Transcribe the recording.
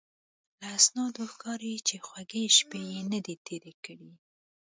له اسنادو ښکاري چې خوږې شپې یې نه دي تېرې کړې.